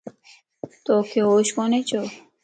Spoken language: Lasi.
توک ھوش ڪوني ڇو؟